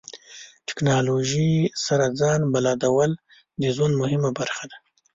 ټکنالوژي سره ځان بلدول د ژوند مهمه برخه ده.